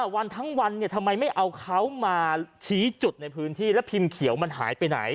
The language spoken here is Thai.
วันทั้งวันทำไมไม่เอาเขามาชี้จุดในพื้นที่แล้วพิมพ์เขียวมันหายไปไหน